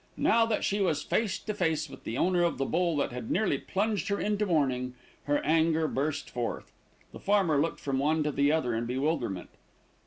Now that she was face to face with the owner of the bull that had nearly plunged her into mourning, her anger burst forth. The farmer looked from one to the other in bewilderment.